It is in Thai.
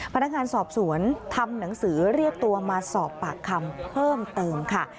พนักงานสอบสวนทำหนังสือเรียกตัวมาสอบปากคำเพิ่มเติมค่ะ